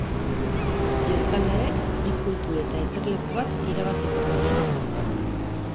Jeltzaleek bi puntu eta eserleku bat irabaziko dute.